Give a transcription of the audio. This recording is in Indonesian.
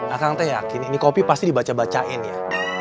aku yakin ini kopi pasti dibacakan ya